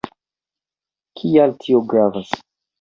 Kial tio gravas?